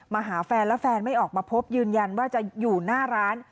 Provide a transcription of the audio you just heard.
หาแฟนแล้วแฟนไม่ออกมาพบยืนยันว่าจะอยู่หน้าร้าน